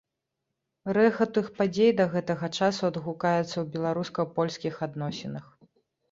Рэха тых падзей да гэтага часу адгукаецца ў беларуска-польскіх адносінах.